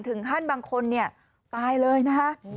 ถึงขั้นบางคนเนี่ยตายเลยนะคะ